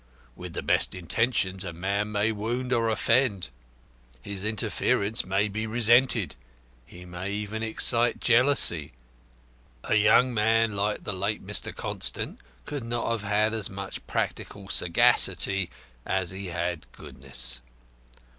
With the best intentions a man may wound or offend; his interference may be resented; he may even excite jealousy. A young man like the late Mr. Constant could not have had as much practical sagacity as he had goodness.